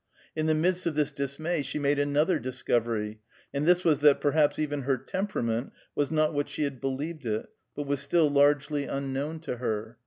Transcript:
In the midst of this dismay she made another discovery, and this was that perhaps even her temperament was not what she had believed it, but was still largely unknown to her.